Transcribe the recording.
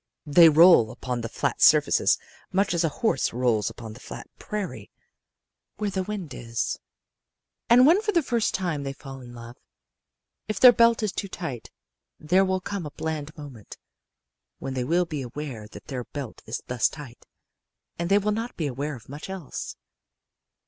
"They roll upon the flat surfaces much as a horse rolls upon the flat prairie where the wind is. "And when for the first time they fall in love, if their belt is too tight there will come a bland moment when they will be aware that their belt is thus tight and they will not be aware of much else.